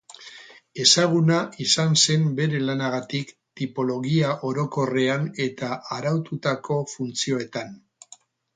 Ezaguna izan zen bere lanagatik topologia orokorrean eta araututako funtzioetan.